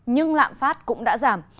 nhưng lạm phát cũng đã giảm